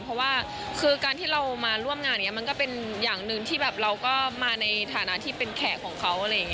เพราะว่าคือการที่เรามาร่วมงานมันก็เป็นอย่างหนึ่งที่เราก็มาในฐานะที่เป็นแขกของเขา